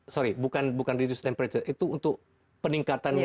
sorry bukan reduce temperature itu untuk peningkatan